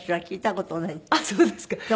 あっそうですか。